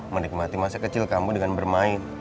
menikmati masa kecil kamu dengan bermain